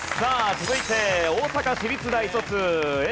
続いて大阪市立大卒Ａぇ！